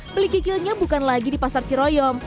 beli kikilnya bukan lagi di pasar ciroyom